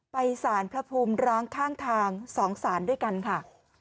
สารพระภูมิร้างข้างทาง๒สารด้วยกันค่ะ